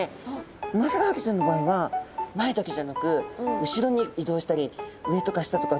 ウマヅラハギちゃんの場合は前だけじゃなく後ろに移動したり上とか下とか自在な泳ぎができるんですね。